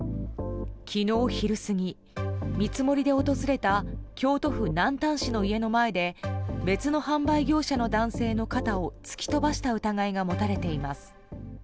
昨日昼過ぎ、見積もりで訪れた京都府南丹市の家の前で別の販売業者の男性の肩を突き飛ばした疑いが持たれています。